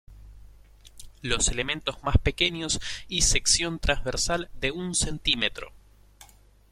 Los elementos más pequeños y sección transversal de un centímetro.